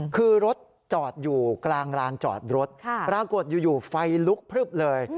คือรถจอดอยู่กลางร้านจอดรถปรากฏอยู่ไฟลุกพลึบเลย